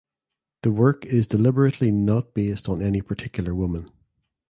The work is deliberately not based on any particular woman.